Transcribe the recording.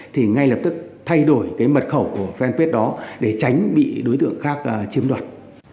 thì ngay lập tức thay đổi cái mật khẩu của fanpage đó để tránh bị đối tượng khác chiếm đoạt